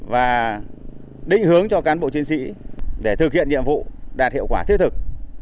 và định hướng cho cán bộ chiến sĩ để thực hiện nhiệm vụ đạt hiệu quả thiết thực